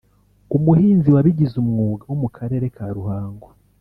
umuhinzi wabigize umwuga wo mu Karere ka Ruhango